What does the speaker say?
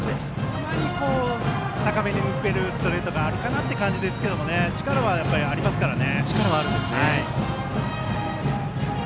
たまに高めに抜けるストレートがあるかなという感じですけどやっぱり力はありますからね。